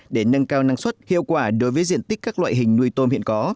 để nâng cao năng suất hiệu quả đối với diện tích các loại hình nuôi tôm hiện có